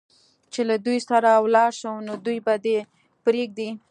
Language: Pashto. چې له دوی سره ولاړ شم، نو دوی به دې پرېږدي؟